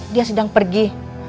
dia sedang pergi